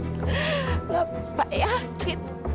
gak apa ya cerita